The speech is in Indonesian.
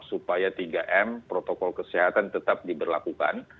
supaya tiga m protokol kesehatan tetap diberlakukan